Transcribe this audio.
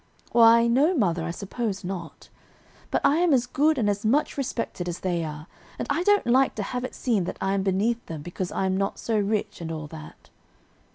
"Why no, mother, I suppose not; but I am as good and as much respected as they are; and I don't like to have it seem that I am beneath them because I am not so rich, and all that."